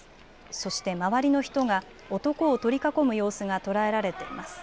そして周りの人が男を取り囲む様子が捉えられています。